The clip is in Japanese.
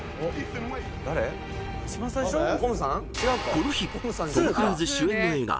［この日トム・クルーズ主演の映画］